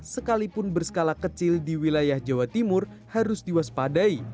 sekalipun berskala kecil di wilayah jawa timur harus diwaspadai